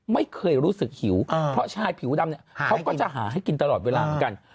ไม่เคยรู้สึกหิวเพราะชายผิวดำเนี่ยเขาก็จะหาให้กินตลอดเวลาเหมือนกัน